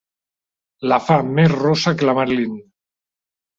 La fa més rossa que la Marilyn.